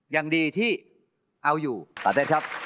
อย่างดีที่เอาอยู่ต่อเต้นครับ